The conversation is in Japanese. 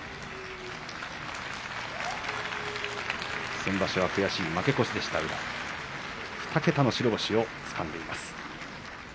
先場所は悔しい負け越しだった宇良２桁の白星をつかんでいます。